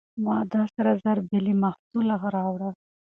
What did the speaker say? ما دا سره زر بې له محصوله راوړل.